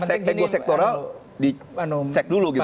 ego sektoral di cek dulu gitu